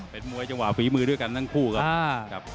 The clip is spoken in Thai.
เป็นมวยจังหวะฝีมือด้วยกันทั้งคู่ครับ